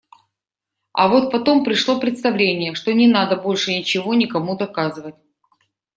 А вот потом пришло представление, что не надо больше ничего никому доказывать.